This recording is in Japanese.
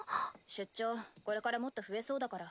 出張これからもっと増えそうだから。